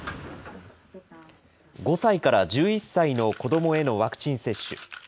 ５歳から１１歳の子どもへのワクチン接種。